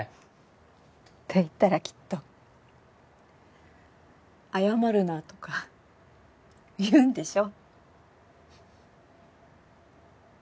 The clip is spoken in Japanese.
って言ったらきっと「謝るな」とか言うんでしょ？